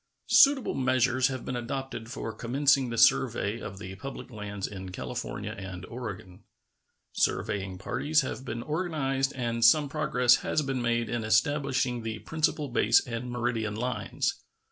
Suitable measures have been adopted for commencing the survey of the public lands in California and Oregon. Surveying parties have been organized and some progress has been made in establishing the principal base and meridian lines.